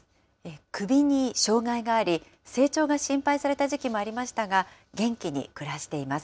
首に障害があり、成長が心配された時期もありましたが、元気に暮らしています。